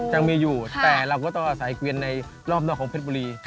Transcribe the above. ยังมีอยู่แต่เราก็ต้องอาศัยเกวียนในรอบนอกของเพชรบุรี